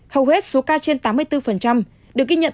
hầu hết số ca trên tám mươi bốn được ghi nhận